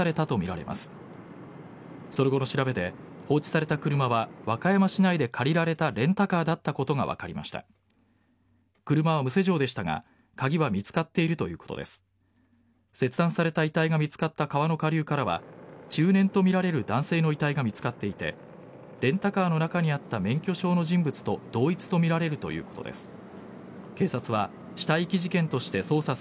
切断された遺体が見つかった川の下流からは中年とみられる男性の遺体が見つかっていてレンタカーの中にあった免許証の人物と同一とみられるということです。